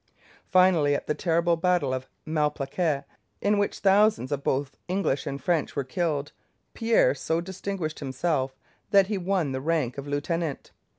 Finally, at the terrible battle of Malplaquet, in which thousands of both English and French were killed, Pierre so distinguished himself that he won the rank of lieutenant.